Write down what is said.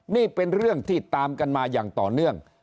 นี่เป็นเรื่องที่ตามกันมาอย่างต่อเนื่อง